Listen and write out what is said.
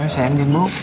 sayang jangan mau